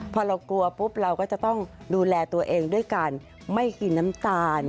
พอเรากลัวปุ๊บเราก็จะต้องดูแลตัวเองด้วยการไม่กินน้ำตาล